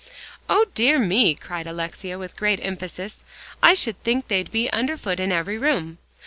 "O dear me!" cried Alexia, with great emphasis. "I should think they'd be under foot in every room."